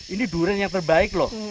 ini durian yang terbaik loh